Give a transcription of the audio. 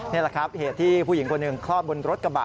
นี่แหละครับเหตุที่ผู้หญิงคนหนึ่งคลอดบนรถกระบะ